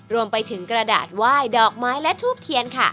รวมไปถึงกระดาษไหว้ดอกไม้และทูบเทียนค่ะ